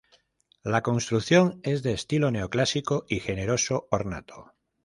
La construcción es de estilo neoclásico y generoso ornato.